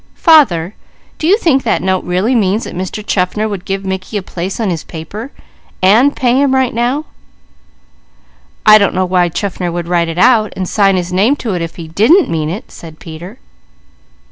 Father, do you think that note really means that Mr. Chaffner would give Mickey a place on his paper, and pay him right now?" "I don't know why Chaffner would write it out and sign his name to it if he didn't mean it," said Peter.